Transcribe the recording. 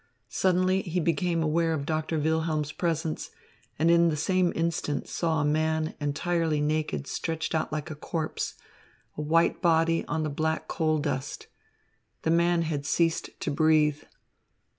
Suddenly, he became aware of Doctor Wilhelm's presence, and in the same instant saw a man entirely naked stretched out like a corpse, a white body on the black coal dust. The man had ceased to breathe.